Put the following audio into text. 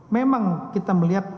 memang kita melihat